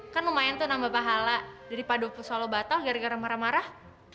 kan lumayan tuh nambah pahala daripada solo batal gara gara marah marah